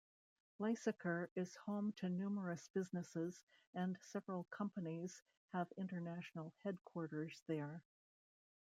Lysaker is home to numerous businesses, and several companies have international headquarters there.